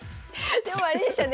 でもあれでしたね